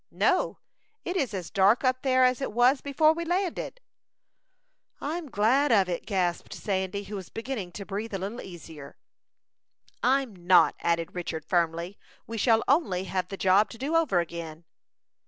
"No; it is as dark up there as it was before we landed." "I am glad of it," gasped Sandy, who was beginning to breathe a little easier. "I'm not," added Richard, firmly. "We shall only have the job to do over again."